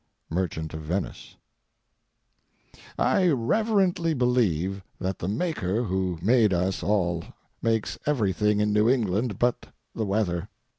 Merchant of Venice. I reverently believe that the Maker who made us all makes everything in New England but the weather.